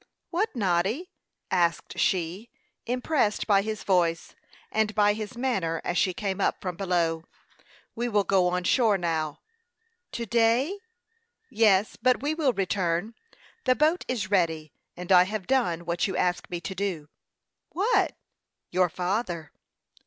"What, Noddy?" asked she, impressed by his voice, and by his manner, as she came up from below. "We will go on shore now." "To day?" "Yes; but we will return. The boat is ready, and I have done what you asked me to do." "What?" "Your father."